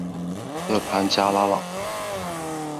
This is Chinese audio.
勒潘拉加朗。